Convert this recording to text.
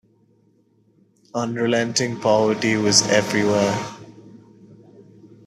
Unrelenting poverty was everywhere.